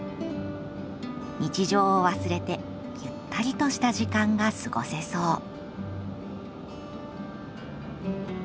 日常を忘れてゆったりとした時間が過ごせそう。